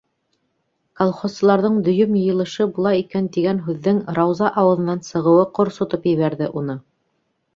Колхозсыларҙың дөйөм йыйылышы була икән тигән һүҙҙең Рауза ауыҙынан сығыуы ҡорсотоп ебәрҙе уны.